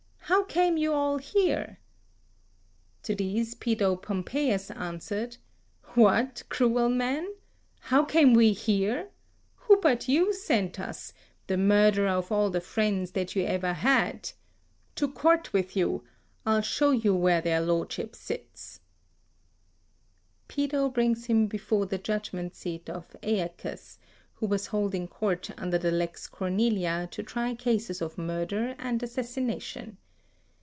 How came you all here?" To this Pedo Pompeius answered, "What, cruel man? How came we here? Who but you sent us, you, the murderer of all the friends that ever you had? To court with you! I'll show you where their lordships sit." Pedo brings him before the judgement seat of 14 Aeacus, who was holding court under the Lex Cornelia to try cases of murder and assassination.